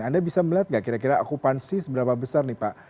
anda bisa melihat nggak kira kira okupansi seberapa besar nih pak